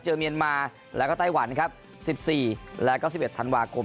เจอเมียนมาและก็ไทยหวัน๑๔และก็๑๑ธันวาคม